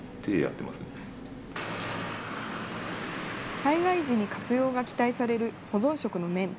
災害時に活用が期待される保存食の麺。